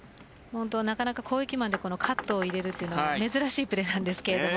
なかなか攻撃でカットを入れるのは珍しいプレーです。